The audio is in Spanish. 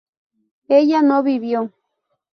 ella no vivió